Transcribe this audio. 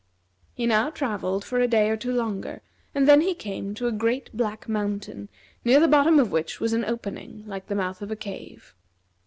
He now travelled for a day or two longer, and then he came to a great black mountain, near the bottom of which was an opening like the mouth of a cave.